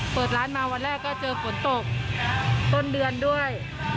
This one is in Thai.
เปิดร้านมาวันแรกก็เจอฝนตกต้นเดือนด้วย